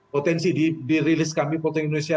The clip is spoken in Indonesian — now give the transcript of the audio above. potensi dirilis kami potensi indonesia